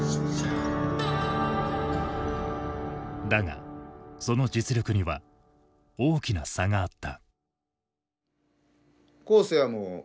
だがその実力には大きな差があった。